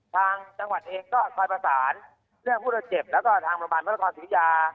ทางจังหวัดเองก็คอยประสานเรื่องผู้ว่าเจ็บแล้วก็ทางบริบารพระละครศรีศรียา